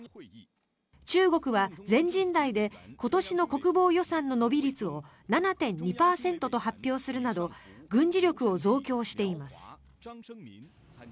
中国は全人代で今年の国防予算の伸び率を７．２％と発表するなど軍事力を増強しています。